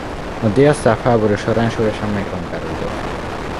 A délszláv háború során súlyosan megrongálódott.